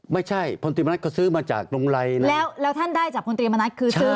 พลตรีมณัฐก็ซื้อมาจากตรงไรแล้วแล้วท่านได้จากพลตรีมณัฐคือซื้อ